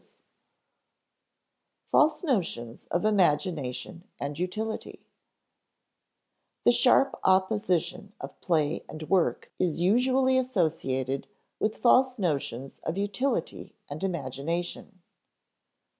[Sidenote: False notions of imagination and utility] The sharp opposition of play and work is usually associated with false notions of utility and imagination.